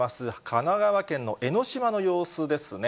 神奈川県の江の島の様子ですね。